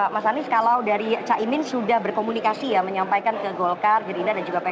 mas anies kalau dari cahy min sudah berkomunikasi ya menyampaikan ke golkar gerindra dan juga pan